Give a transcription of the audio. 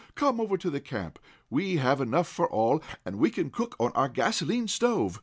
Come over to our camp. We have enough for all, and we can cook on our gasolene stove.